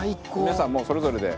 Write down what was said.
皆さんもうそれぞれで。